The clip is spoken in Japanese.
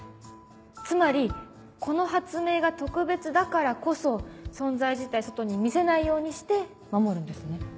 つまりこの発明が特別だからこそ存在自体外に見せないようにして守るんですね。